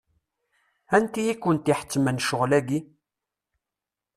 Anti i kent-iḥettmen ccɣel-agi?